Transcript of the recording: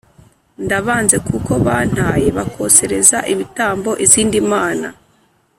Ndabanze kuko bantaye bakosereza ibitambo izindi mana